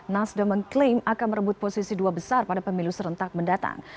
nasdem mengklaim akan merebut posisi dua besar pada pemilu serentak mendatang